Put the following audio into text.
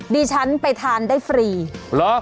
ดิฉันไปทานได้ฟรีเหรอ